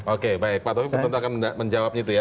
oke baik pak taufik betul betul akan menjawabnya itu ya